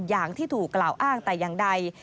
อย่างที่ถูกกล่าวอ้างแต่อย่างใด